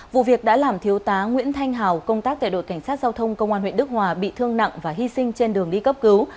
vụ việc đã làm thiếu tá nguyễn thanh hào công tác tại đội cảnh sát giao thông công an huyện đức hòa bị thương nặng và hy sinh trên đường đi cấp cứu